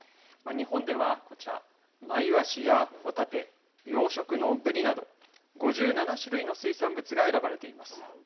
日本では、こちらまいわしや帆立て養殖のぶりなど５７種類の水産物が選ばれています。